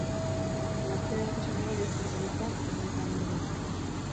Emazte ohiak esan duenez, gizonezkoak urrutze agindu bat zuen.